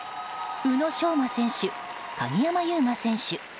宇野昌磨選手、鍵山優真選手